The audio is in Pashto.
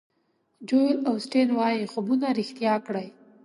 جویل اوسټین وایي خوبونه ریښتیا کړئ.